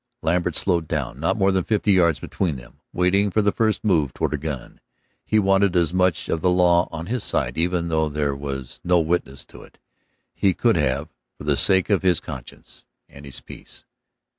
Lambert slowed down, not more than fifty yards between them, waiting for the first move toward a gun. He wanted as much of the law on his side, even though there was no witness to it, as he could have, for the sake of his conscience and his peace.